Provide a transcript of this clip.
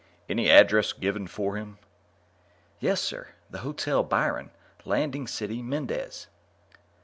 "Any address given for him?" "Yes, sir. The Hotel Byron, Landing City, Mendez."